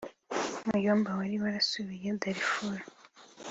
muyomba wari warasubiye darifuru